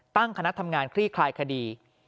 ตั้งคณะทำงานคลี่คลายคดี